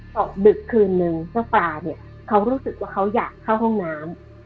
ตกดึกคืนนึงเจ้าปลาเนี่ยเขารู้สึกว่าเขาอยากเข้าห้องน้ำ